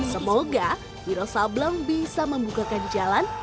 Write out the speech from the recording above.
semoga wiro sablan bisa membuka ruang